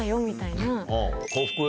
みたいな？